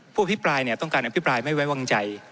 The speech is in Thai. ผู้อภิปรายต้องการอภิปรายไม่ไว้วางใจ